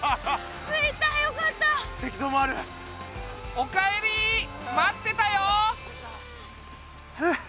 おかえり待ってたよ！